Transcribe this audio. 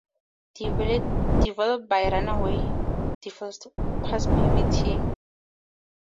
Developed by Runwal Developers Pvt.